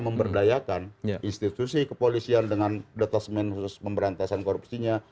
memberdayakan institusi kepolisian dengan detesan pemberantasan korupsinya